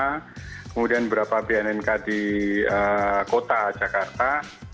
kemudian beberapa bnnk di kota jakarta